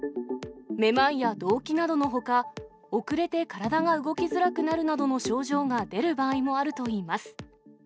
めまいやどうきなどのほか、遅れて体が動きづらくなるなどの症状が出る場合もあるといいます。